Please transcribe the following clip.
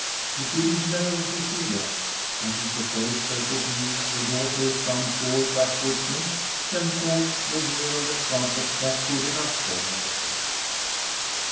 He didn't know who she was, but he supposed her to be the daughter of some poor backwoodsman and thought the rear of the cart was quite good enough for her.